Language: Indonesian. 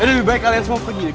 ya lebih baik kalian semua pergi